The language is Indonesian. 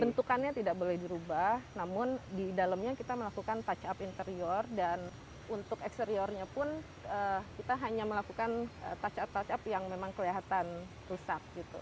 bentukannya tidak boleh dirubah namun di dalamnya kita melakukan touch up interior dan untuk eksteriornya pun kita hanya melakukan touch up touch up yang memang kelihatan rusak gitu